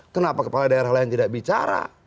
kenapa kepala daerah lain tidak bicara